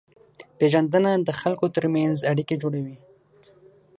پېژندنه د خلکو ترمنځ اړیکې جوړوي.